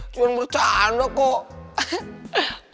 cuman bercanda kok